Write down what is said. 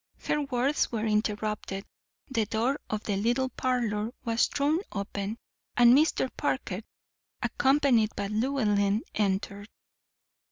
Her words were interrupted, the door of the little parlor was thrown open, and Mr. Parker, accompanied by Llewellyn, entered.